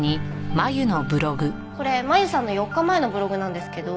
これ真由さんの４日前のブログなんですけど。